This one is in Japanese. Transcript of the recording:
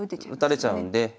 打たれちゃうんで。